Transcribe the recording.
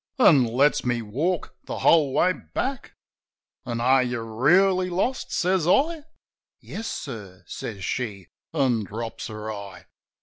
An' lets me walk the whole way back. THE WOOER 59 "An' are you reely lost?" says I. "Yes, sir," says she, an' drops her eye.